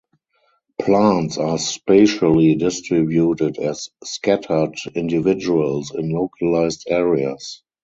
Plants are spatially distributed as scattered individuals in localised areas.